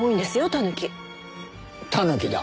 タヌキだ。